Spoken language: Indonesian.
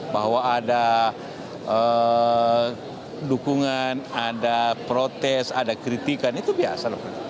bahwa ada dukungan ada protes ada kritikan itu biasa